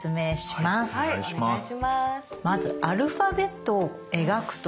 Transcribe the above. まずアルファベットを描くということです。